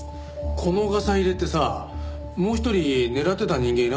このガサ入れってさもう一人狙ってた人間いなかったかな？